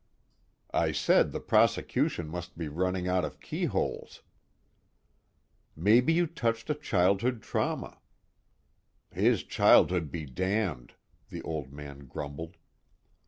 "I said the prosecution must be running out of keyholes." "Maybe you touched a childhood trauma." "His childhood be damned," the Old Man grumbled.